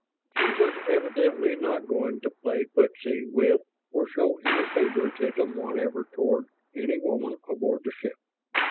He was evidently not going to play footsie with, or show any favoritism whatever toward, any woman aboard the ship.